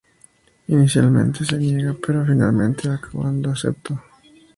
Inicialmente se niega pero finalmente acaba aceptando.